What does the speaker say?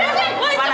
eh disini wongan